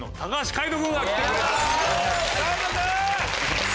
海人君！